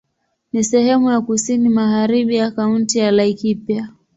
Ni sehemu ya kusini magharibi ya Kaunti ya Laikipia.